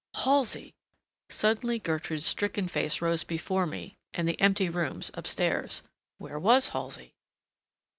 "Halsey!" Suddenly Gertrude's stricken face rose before me the empty rooms up stairs. Where was Halsey?